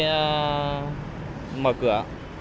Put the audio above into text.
lỗi mở cửa